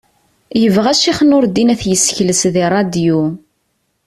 Yebγa Ccix Nuṛdin a-t-yessekles di ṛṛadyu.